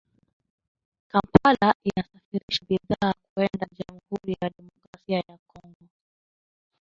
Kampala inasafirisha bidhaa kwenda jamhuri ya kidemokrasia ya Kongo